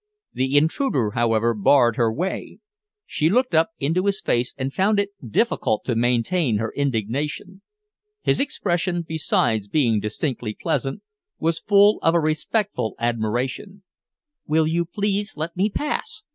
The intruder, however, barred her way. She looked up into his face and found it difficult to maintain her indignation. His expression, besides being distinctly pleasant, was full of a respectful admiration. "Will you please let me pass?"